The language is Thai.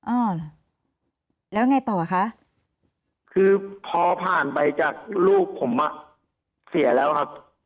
อ่าแล้วไงต่อคะคือพอผ่านไปจากลูกผมอ่ะเสียแล้วครับ